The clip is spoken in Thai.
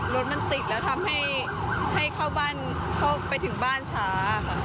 รถมันติดแล้วทำให้เข้าบ้านเข้าไปถึงบ้านช้าค่ะ